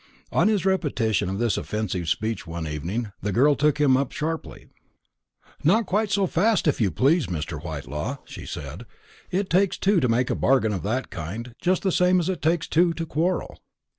On his repetition of this offensive speech one evening, the girl took him up sharply: "Not quite so fast, if you please, Mr. Whitelaw," she said; "it takes two to make a bargain of that kind, just the same as it takes two to quarrel.